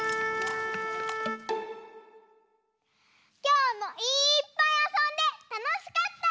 きょうもいっぱいあそんでたのしかった！